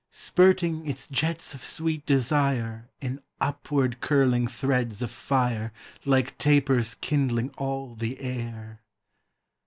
— Spurting its jets of sweet desire In upward curling threads of fire Like tapers kindling all the air.